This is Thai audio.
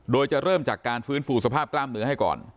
โดยจะเริ่มจากการฟื้นฟูสภาพกล้ามเนื้อให้ก่อน